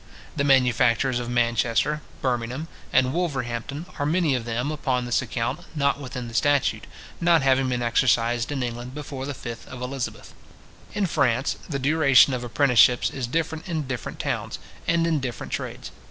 The manufactures of Manchester, Birmingham, and Wolverhampton, are many of them, upon this account, not within the statute, not having been exercised in England before the 5th of Elizabeth. In France, the duration of apprenticeships is different in different towns and in different trades.